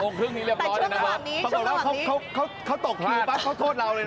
องค์ครึ่งนี้เรียบร้อยเลยนะครับเขาบอกว่าเขาเขาตกคิวปะเขาโทษเราเลยนะ